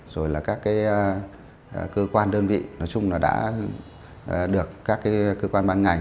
rồi là các cơ quan đơn vị nói chung là đã được các cơ quan bán ảnh